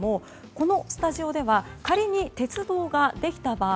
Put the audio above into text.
このスタジオでは仮に鉄道ができた場合